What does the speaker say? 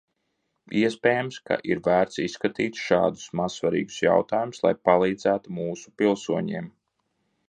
Iespējams, ka ir vērts izskatīt šādus mazsvarīgus jautājumus, lai palīdzētu mūsu pilsoņiem.